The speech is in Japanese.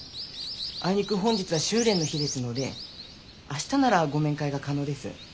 あいにく本日は修練の日ですので明日ならご面会が可能です。